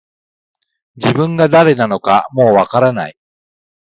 自分が誰なのかもう分からない